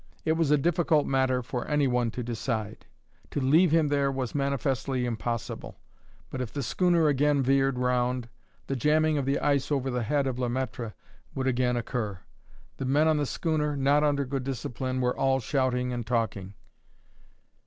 It was a difficult matter for anyone to decide. To leave him there was manifestly impossible; but if the schooner again veered round, the jamming of the ice over the head of La Maître would again occur. The men on the schooner, not under good discipline, were all shouting and talking.